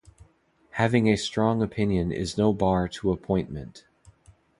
Having a strong opinion is no bar to appointment.